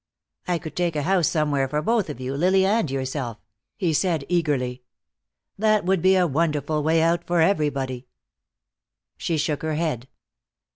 "I could take a house somewhere for both of you, Lily and yourself," he said eagerly; "that would be a wonderful way out for everybody." She shook her head.